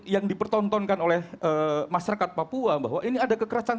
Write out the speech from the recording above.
yang dipertontonkan oleh masyarakat papua bahwa ini ada kekerasan